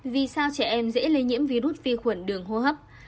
vì sao trẻ em dễ lây nhiễm virus vi khuẩn đường hô hấp